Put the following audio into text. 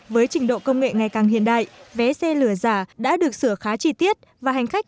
với trình độ công nghệ ngày càng hiện đại vé xe lửa giả đã được sửa khá chi tiết và hành khách